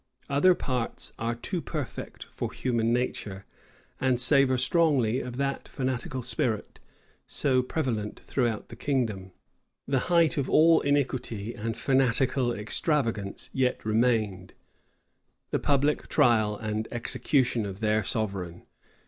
Other parts are too perfect for human nature, and savor strongly of that fanatical spirit so prevalent throughout the kingdom. The height of all iniquity and fanatical extravagance yet remained the public trial and execution of their sovereign.